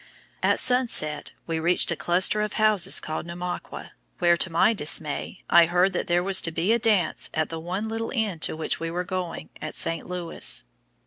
At sunset we reached a cluster of houses called Namaqua, where, to my dismay, I heard that there was to be a dance at the one little inn to which we were going at St. Louis.